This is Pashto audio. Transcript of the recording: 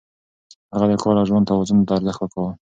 هغه د کار او ژوند توازن ته ارزښت ورکاوه.